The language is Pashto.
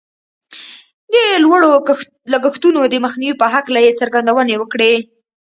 د لوړو لګښتونو د مخنيوي په هکله يې څرګندونې وکړې.